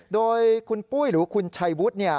โดยคุณปุ้ยหรือคุณชัยวุฒิเนี่ย